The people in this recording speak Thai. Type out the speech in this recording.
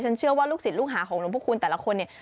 เชื่อว่าลูกศิษย์ลูกหาของหลวงพระคุณแต่ละคนเนี่ย